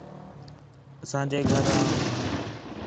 اساں جے گھر آ ہو